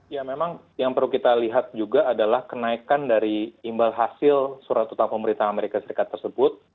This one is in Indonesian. ya memang yang perlu kita lihat juga adalah kenaikan dari imbal hasil surat utang pemerintah amerika serikat tersebut